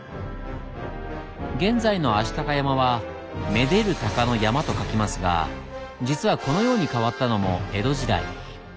現在の足高山は「愛でる鷹の山」と書きますが実はこのように変わったのも江戸時代。